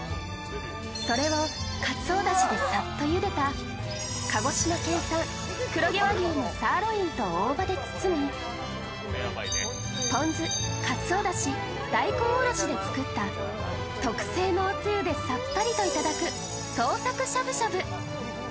それをかつおだしでさっとゆでた鹿児島県産黒毛和牛のサーロインと大葉で包みポン酢、鰹だし、大根おろしで作った特製のおつゆでさっぱりといただｋ創作しゃぶしゃぶ。